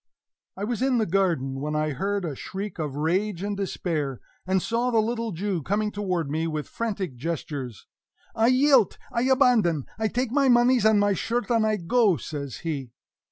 I was in the garden, when I heard a shriek of rage and despair, and saw the little Jew coming toward me with frantic gestures. "I yielt! I abandone! I take my moneys and my shirt, and I go!" says he.